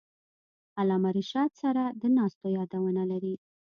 علامه رشاد سره د ناستو یادونه لري.